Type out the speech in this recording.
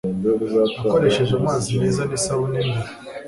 akoresheje amazi meza n'isabune mbere